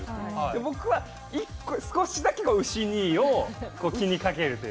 僕は、少しだけウシ兄を気にかけるみたいな。